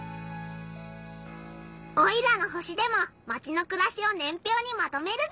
オイラの星でもマチのくらしを年表にまとめるぞ！